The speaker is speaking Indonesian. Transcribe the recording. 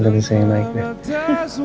gantian saya yang naik deh